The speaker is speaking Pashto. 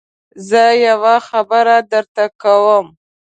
زه يوه خبره درته کوم.